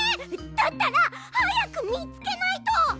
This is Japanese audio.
だったらはやくみつけないと！